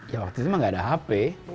ya waktu itu emang gak ada hp